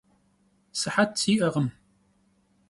Sıhet si'ekhım.